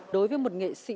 đối với một nghệ sĩ